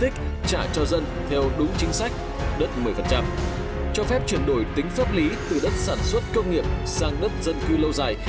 cho phép chuyển đổi tính pháp lý từ đất sản xuất công nghiệp sang đất dân cư lâu dài